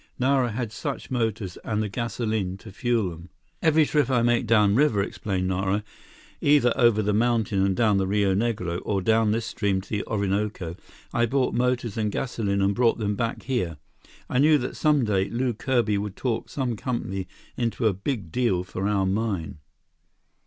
Nara had such motors and the gasoline to fuel them. "Every trip I made downriver," explained Nara, "either over the mountain and down the Rio Negro, or down this stream to the Orinoco, I bought motors and gasoline and brought them back here. I knew that some day, Lew Kirby would talk some company into a big deal for our mine.